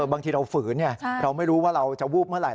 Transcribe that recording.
บางทีเราฝืนเราไม่รู้ว่าเราจะวูบเมื่อไห